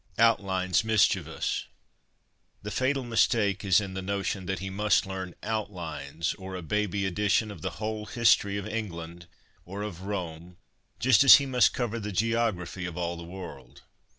'Outlines' Mischievous. The fatal mistake is in the notion that he must learn ' outlines/ or a baby edition of the whole history of England, or of Rome, just as he must cover the geography of all the world.